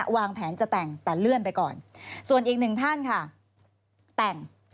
วางแผนจะแต่งแต่เลื่อนไปก่อนส่วนอีกหนึ่งท่านค่ะแต่ง